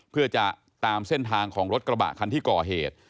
เพื่อจะตามเส้นทางของรถกระบะคันที่ก่อเหตุ